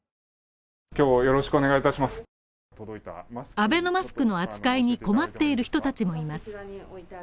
アベノマスクの扱いに困っている人たちもいます。